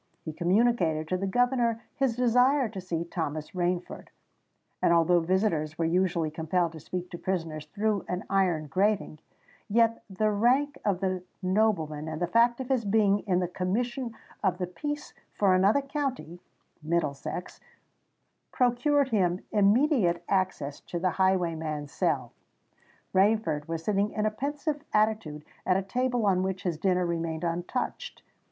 He communicated to the governor his desire to see Thomas Rainford; and although visitors were usually compelled to speak to prisoners through an iron grating, yet the rank of the nobleman and the fact of his being in the commission of the peace for another county (Middlesex), procured him immediate access to the highwayman's cell. Rainford was sitting in a pensive attitude at a table on which his dinner remained untouched.